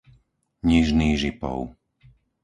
Nižný Žipov